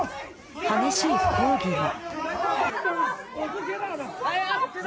激しい抗議が。